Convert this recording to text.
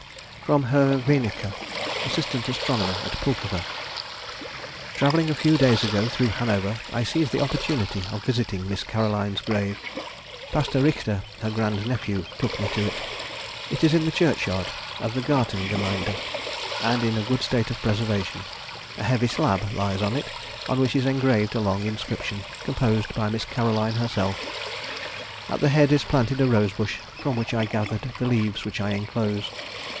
FROM HERR WINNECKE (Assist. Astron. at Pulkowa.) "Travelling a few days ago through Hanover, I seized the opportunity of visiting Miss Caroline's grave. Pastor Richter, her grand nephew, took me to it. It is in the churchyard of the 'Gartengemeinde,' and in a good state of preservation; a heavy slab lies on it, on which is engraved a long inscription, composed by Miss Caroline herself. At the head is planted a rose bush, from which I gathered the leaves which I enclose.